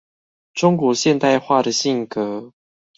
中國現代化的性格